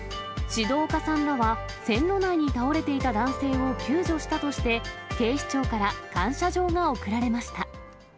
志戸岡さんらは、線路内に倒れていた男性を救助したとして、警視庁から感謝状が贈られました。